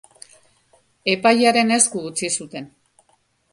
Epailearen esku utzi zuten.